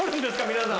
皆さん。